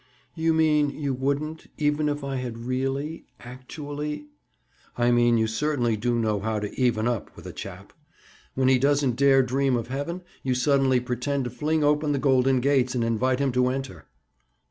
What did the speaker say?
"You mean you wouldn't, even if I had really, actually—?" "I mean you certainly do know how to 'even up' with a chap. When he doesn't dare dream of heaven, you suddenly pretend to fling open the golden gates and invite him to enter."